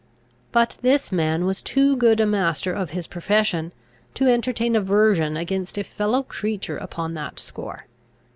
But this man was too good a master of his profession, to entertain aversion against a fellow creature upon that score.